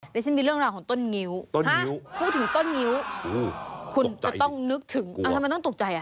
ดิฉันมีเรื่องราวของต้นงิ้วถ้าพูดถึงต้นงิ้วคุณจะต้องนึกถึงทำไมต้องตกใจอ่ะ